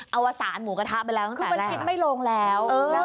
เอาสารหมูกระทะไปแล้วตั้งแต่แรกคือมันกินไม่ลงแล้วเออ